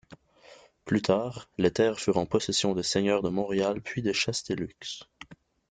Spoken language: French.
Plus tard, les terres furent en possession des seigneurs de Montréal puis de Chastellux.